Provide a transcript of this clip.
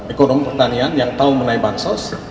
ekonom pertanian yang tahu menaipan sos